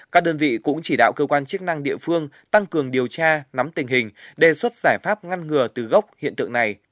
các đơn vị cũng chỉ đạo cơ quan chức năng địa phương tăng cường điều tra nắm tình hình đề xuất giải pháp ngăn ngừa từ gốc hiện tượng này